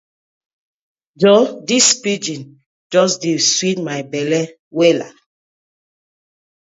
Joor dis pidgin just dey sweet my belle wella.